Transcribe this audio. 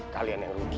kalian yang rugi